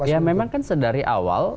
ya memang kan sedari awal